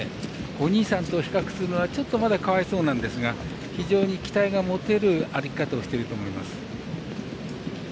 お兄さんと比較するのはちょっとまだかわいそうなんですが非常に期待を持てる歩き方をしていると思います。